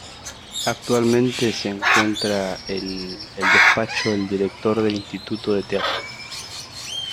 Actualmente se encuentra en el despacho del Director del Instituto del Teatro.